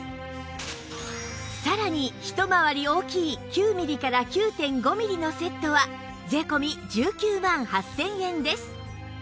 さらに一回り大きい９ミリから ９．５ ミリのセットは税込１９万８０００円です